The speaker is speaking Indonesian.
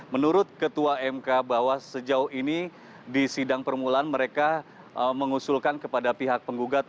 menurut ketua mk bahwa sejauh ini di sidang permulaan mereka mengusulkan kepada pihak penggugat